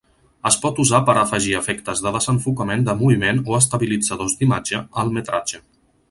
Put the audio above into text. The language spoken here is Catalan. Es pot usar per a afegir efectes de desenfocament de moviment o estabilitzadors d'imatge al metratge.